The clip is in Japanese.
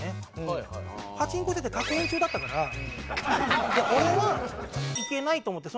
パチンコしてて確変中だったから俺は行けないと思ってその。